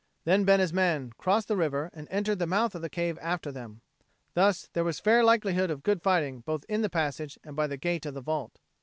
Then Bena's men crossed the river and entered the mouth of the cave after them. Thus there was fair likelihood of good fighting both in the passage and by the gate of the vault.